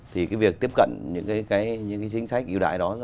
thì cái việc tiếp cận những cái chính sách hiệu đại đó